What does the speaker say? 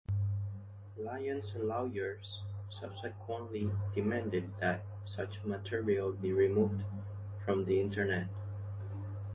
Lyons' lawyers subsequently demanded that such material be removed from the Internet.